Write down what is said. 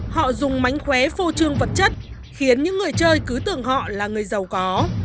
họ dùng mánh khóe phô trương vật chất khiến những người chơi cứ tưởng họ là người giàu có